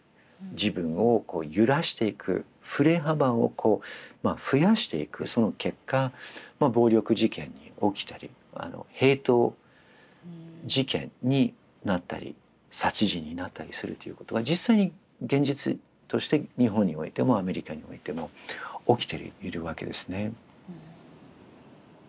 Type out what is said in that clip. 自分をこう揺らしていく振れ幅をこう増やしていくその結果暴力事件が起きたりヘイト事件になったり殺人になったりするということが実際に現実として日本においてもアメリカにおいても起きているわけですね。